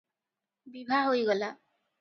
ବିଭା ହୋଇଗଲା ।